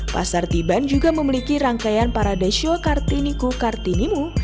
pasar tiban juga memiliki rangkaian para desyo kartiniku kartinimu